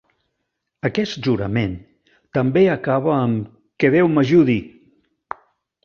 Aquest jurament també acaba amb "Que Déu m"ajudi!"